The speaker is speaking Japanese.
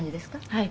はい。